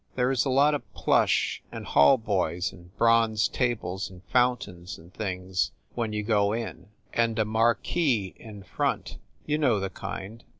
There is a lot of plush and hall boys and bronze tables and fountains and things when you go in, and a mar quise in front. You know the kind.